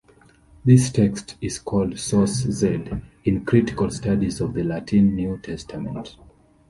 This text is called "source Z" in critical studies of the Latin New Testament.